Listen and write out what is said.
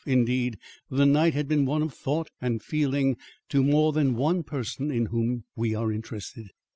Indeed, the night had been one of thought and feeling to more than one person in whom we are interested.